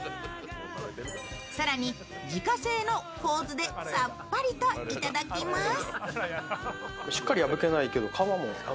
更に、自家製の香酢でさっぱりといただきます。